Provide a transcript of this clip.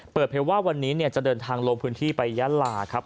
เปิดเผยว่าวันนี้จะเดินทางลงพื้นที่ไปยาลาครับ